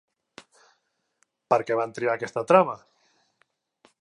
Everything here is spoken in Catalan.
Per què van triar aquesta trama?